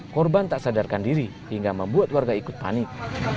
korban tak sadarkan diri hingga membuat warga ikut panik